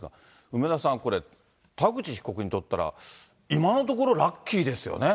梅沢さん、これ、田口被告にとったら、今のところ、ラッキーですよね。